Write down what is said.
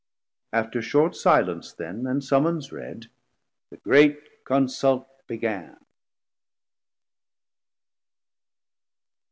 After short silence then And summons read, the great consult began.